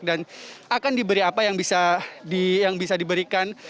dan akan diberi apa yang bisa diberikan